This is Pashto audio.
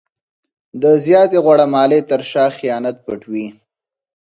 د زیاتې غوړه مالۍ تر شا خیانت پټ وي.